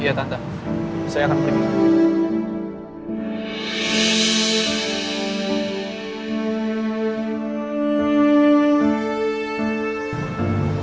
iya tante saya akan pergi